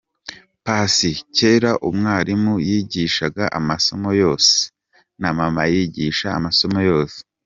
Paccy : Kera umwarimu yigishaga amasomo yose, na Mama yigishaga amasomo yose !.